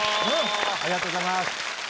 ありがとうございます。